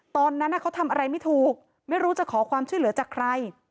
ตอนนั้นเขาทำอะไรไม่ถูกไม่รู้จะขอความช่วยเหลือจากใคร